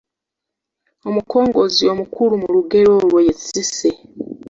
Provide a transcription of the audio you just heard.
Omukongozzi omukulu mu lugero olwo ye Cissy.